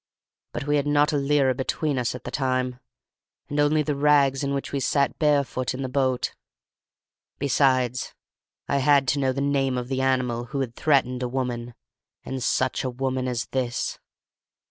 But we had not a lira between us at the time, and only the rags in which we sat barefoot in the boat. Besides, I had to know the name of the animal who had threatened a woman, and such a woman as this.